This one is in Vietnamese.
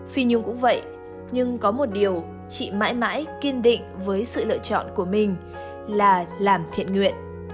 phi nhưng cũng vậy nhưng có một điều chị mãi mãi kiên định với sự lựa chọn của mình là làm thiện nguyện